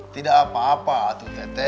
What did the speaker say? tidak apa apa tete